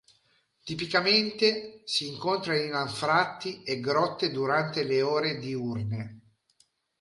Tipicamente si incontra in anfratti e grotte durante le ore diurne.